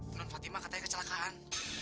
tungguin fatima katanya kecelakaan